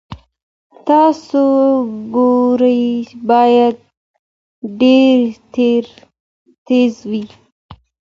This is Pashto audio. ستا ګوزار باید ډیر تېز وي.